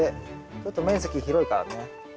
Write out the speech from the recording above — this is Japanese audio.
ちょっと面積広いからね。